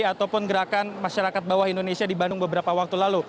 ataupun gerakan masyarakat bawah indonesia di bandung beberapa waktu lalu